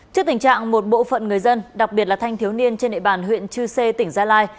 trước tình trạng một bộ phận người dân đặc biệt là thanh thiếu niên trên địa bàn huyện chư sê tỉnh gia lai